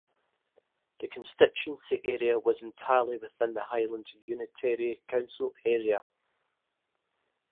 The constituency area was entirely within the Highland unitary council area.